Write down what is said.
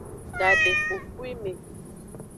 Gadekpokpwime.